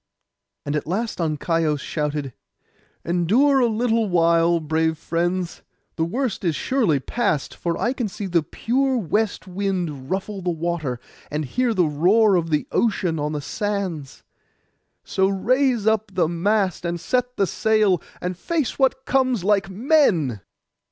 And at last Ancaios shouted, 'Endure a little while, brave friends, the worst is surely past; for I can see the pure west wind ruffle the water, and hear the roar of ocean on the sands. So raise up the mast, and set the sail, and face what comes like men.